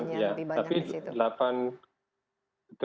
lebih banyak di situ